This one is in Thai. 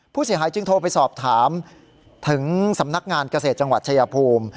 ผู้เสียหายจึงโทรไปสอบถามถึงสำนักงานเกษตรจังหวัดชายภูมิ